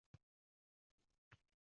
tartibli emas